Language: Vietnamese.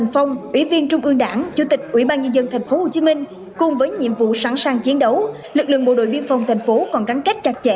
với nhiệm vụ sẵn sàng chiến đấu lực lượng bộ đội biên phòng thành phố còn gắn kết chặt chẽ